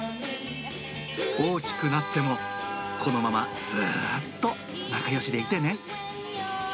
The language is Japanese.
大きくなっても、このままずーっと仲よしでいてね。